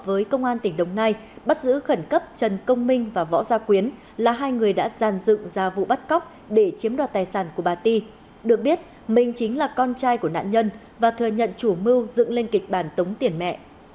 với công an tỉnh đồng nai bắt giữ khẩn cấp trần công minh và võ gia quyến là hai người đã giàn dựng ra vụ bắt cóc để chiếm đoạt tài sản của bà ti được biết minh chính là con trai của nạn nhân và thừa nhận chủ mưu dựng lên kịch bản tống tiền mẹ